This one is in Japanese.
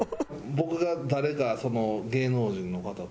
僕が誰か芸能人の方と。